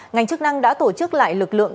ngành chức năng đã tổ chức lại lực lượng